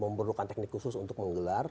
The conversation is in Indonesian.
memerlukan teknik khusus untuk menggelar